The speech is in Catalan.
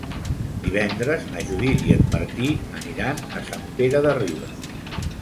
Divendres na Judit i en Martí aniran a Sant Pere de Ribes.